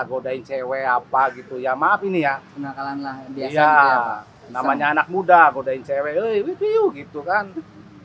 godain cewek apa gitu ya maaf ini ya penangkalan lah dia namanya anak muda godain cewek gitu kan